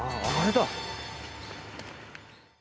あれだ！